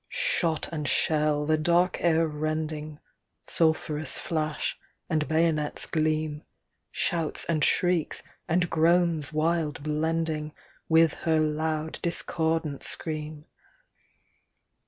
Shot and shell, the dark air rending — Sulphurous flash, and bayonets' gleam — Shouts and shrieks, and groans wild blending, With her loud discordant scream.